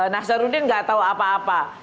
nazarudin nggak tahu apa apa